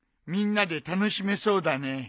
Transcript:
みんなで楽しめそうだね。